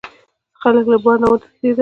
خلک له بار نه وتښتیدل.